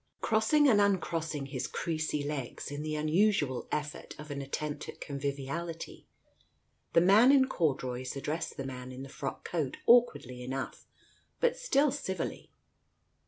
Crossing and uncrossing his creasy legs, in the unusual effort of an attempt at conviviality, the man in corduroys addressed the man in the frock coat awkwardly enough, but still civilly.